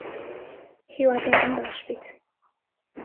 هیوادارم باش بیت